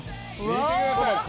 見てください。